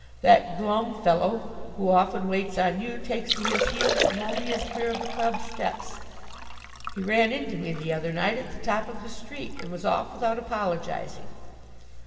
That glum fellow who often waits on you takes to his heels the moment he is clear of the club steps. He ran into me the other night at the top of the street, and was off without apologizing."